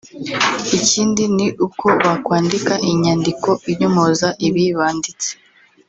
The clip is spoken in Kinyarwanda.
ikindi ni uko bakwandika inyandiko inyomoza ibi banditse